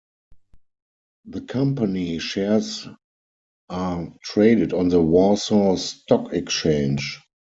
The Company shares are traded on the Warsaw Stock Exchange.